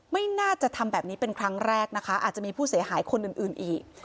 ไม่น่าจะทำแบบนี้เป็นครั้งแรกนะคะอาจจะมีผู้เสียหายคนอื่นอีก